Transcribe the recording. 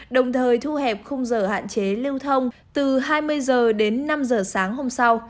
đồng thời thu hẹp khung giờ hạn chế lưu thông từ hai mươi h đến năm h sáng hôm sau